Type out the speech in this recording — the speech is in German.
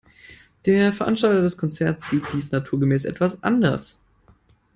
Der Veranstalter des Konzerts sieht dies naturgemäß etwas anders.